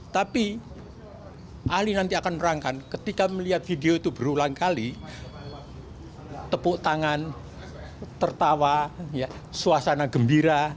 tapi ahli nanti akan menerangkan ketika melihat video itu berulang kali tepuk tangan tertawa suasana gembira